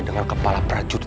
dengan kepala prajurit